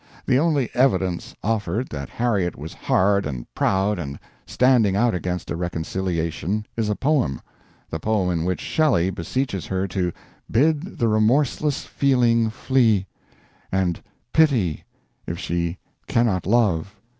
The only "evidence" offered that Harriet was hard and proud and standing out against a reconciliation is a poem the poem in which Shelley beseeches her to "bid the remorseless feeling flee" and "pity" if she "cannot love."